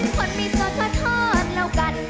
คนไม่โสดขอโทษแล้วกัน